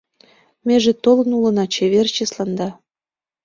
Меже толын улына чевер чесланда.